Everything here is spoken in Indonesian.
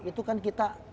itu kan kita